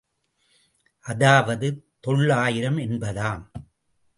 அதாவது தொள்ளாயிரம் என்பதாம்.